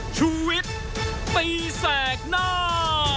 ชูวิทย์ตีแสกหน้า